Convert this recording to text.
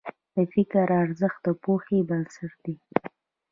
د فکر ارزښت د پوهې بنسټ دی.